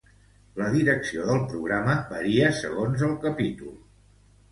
La direcció del programa varia segons el capítol.